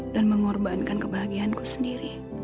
dan mengorbankan kebahagiaanku sendiri